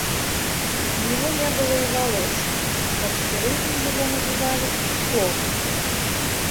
У него не было и волос, так что рыжим его называли условно.